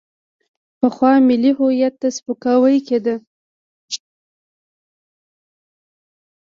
پخوا ملي هویت ته سپکاوی کېده.